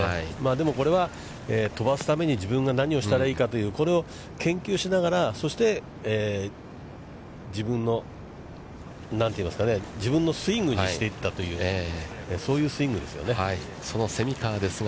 でも、これは、飛ばすために自分が何をしたらいいかというこれを研究しながら、そして、自分のスイングにしていったという蝉川泰果、１８番、左の林。